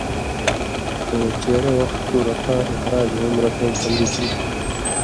خو چېرہ وخ ݜو رَتاں اخراج ہُم رَتَیں کمی کیریۡ تھو۔